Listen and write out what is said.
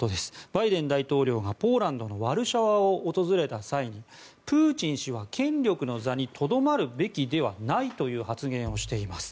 バイデン大統領がポーランドのワルシャワを訪れた際にプーチン氏は権力の座にとどまるべきではないという発言をしています。